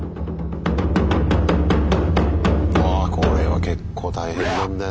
これは結構大変なんだよ